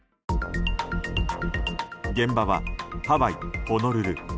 現場はハワイ・ホノルル。